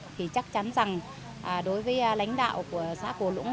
thì chắc chắn rằng đối với lãnh đạo của xã cổ lũng